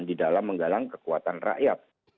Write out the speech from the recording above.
di dalam menggalang kekuatan rakyat